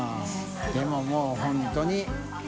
でももう本当に。